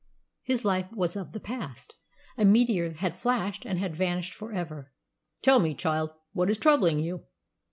His life was of the past, a meteor that had flashed and had vanished for ever. "Tell me, child, what is troubling you?"